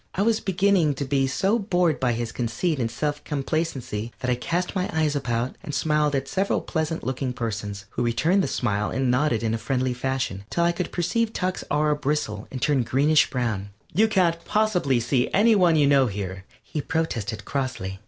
I was beginning to be so bored by his conceit and self complacency that I cast my eyes about and smiled at several pleasant looking persons, who returned the smile and nodded in a friendly fashion, till I could perceive Tuck's aura bristle and turn greenish brown. "You can't possibly see any one you know here," he protested, crossly.